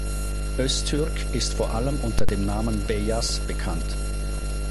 Öztürk ist vor allem unter dem Namen Beyaz bekannt.